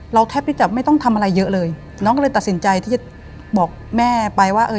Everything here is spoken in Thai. แทบที่จะไม่ต้องทำอะไรเยอะเลยน้องก็เลยตัดสินใจที่จะบอกแม่ไปว่าเออ